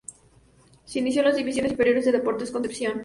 Se inició en las divisiones inferiores de Deportes Concepción.